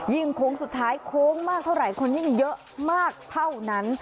โค้งสุดท้ายโค้งมากเท่าไหร่คนยิ่งเยอะมากเท่านั้น